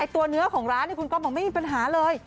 ตัวเนื้อของร้านคุณก๊อฟบอกไม่มีปัญหาเลย